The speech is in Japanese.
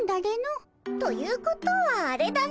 ということはあれだね。